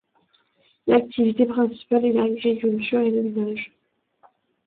L'activité principale est l'agriculture et l'élevage.